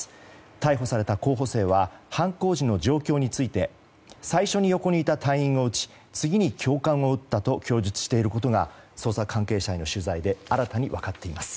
逮捕された候補生は犯行時の状況について最初に横にいた隊員を撃ち次に教官を撃ったと供述していることが捜査関係者への取材で新たに分かっています。